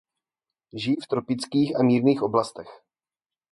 Žijí v tropických a mírných oblastech.